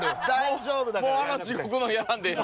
もうあの地獄のやらんでええの？